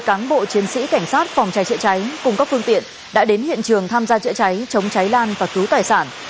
năm mươi cán bộ chiến sĩ cảnh sát phòng trái trị trái cùng các phương tiện đã đến hiện trường tham gia trị trái chống trái lan và cứu tài sản